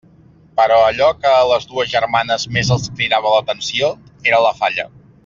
Però allò que a les dues germanes més els cridava l'atenció era la falla.